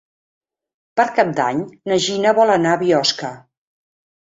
Per Cap d'Any na Gina vol anar a Biosca.